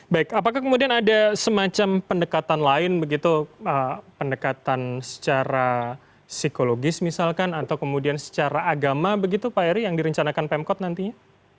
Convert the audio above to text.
baik apakah kemudian ada semacam pendekatan lain begitu pendekatan secara psikologis misalkan atau kemudian secara agama begitu pak eri yang direncanakan pemkot nantinya